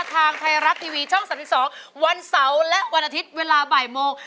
ทางไทยรัฐทีวีช่อง๓๒วันเสาร์และวันอาทิตย์เวลาบ่ายโมง